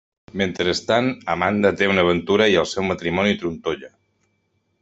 Mentrestant Amanda té una aventura i el seu matrimoni trontolla.